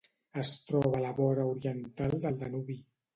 Es troba a la vora oriental del Danubi.